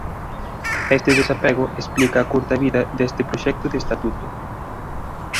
Este desapego explica a curta vida deste proxecto de Estatuto.